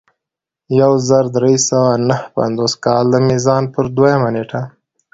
د یو زر درې سوه نهه پنځوس کال د میزان پر دویمه نېټه.